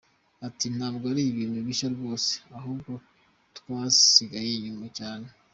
Ati “Ntabwo ari ibintu bishya rwose ahubwo twasigaye inyuma cyane.